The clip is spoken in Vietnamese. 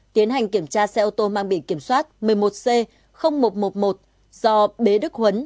tiến hành kiểm tra xe ô tô mang biển kiểm soát một mươi một c một trăm một mươi một do bế đức huấn